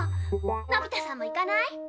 のび太さんも行かない？